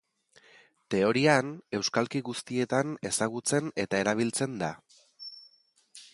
Teorian, euskalki guztietan ezagutzen eta erabiltzen da.